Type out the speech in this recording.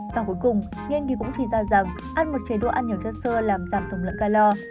và cuối cùng nghiên cứu cũng chỉ ra rằng ăn một chế độ ăn nhiều chất sơ làm giảm tổng lượng calor